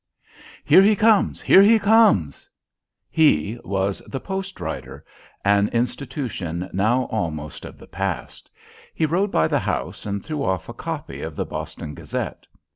"Here he comes! here he comes!" "He" was the "post rider," an institution now almost of the past. He rode by the house and threw off a copy of the "Boston Gazette."